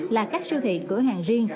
là các siêu thị cửa hàng riêng